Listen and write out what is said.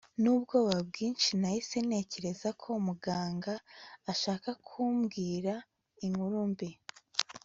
nubwoba bwinshi nahise ntekereza ko muganga ashaka kutubwira inkuru mbi